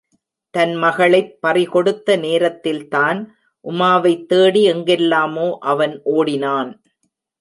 தன் மகளைப் பறிகொடுத்த நேரத்தில்தான் உமாவைத் தேடி எங்கெல்லாமோ அவன் ஓடினான்.